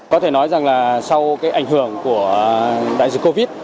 có thể nói rằng là sau cái ảnh hưởng của đại dịch covid